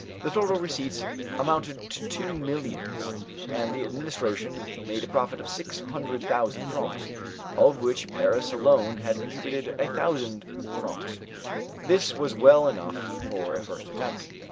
The total receipts amounted to two millions, and the administration made a profit of six hundred thousand francs, of which Paris alone had contributed a hundred thousand francs. This was well enough for a first attempt.